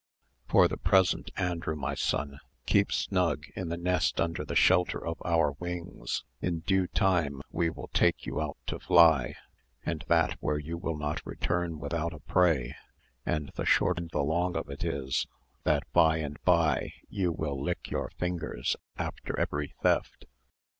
For the present, Andrew, my son, keep snug in the nest under the shelter of our wings; in due time, we will take you out to fly, and that where you will not return without a prey; and the short and the long of it is, that by and by you will lick your fingers after every theft."